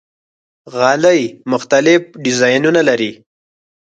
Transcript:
غالۍ مختلف ډیزاینونه لري.